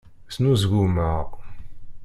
Snuzgumeɣ.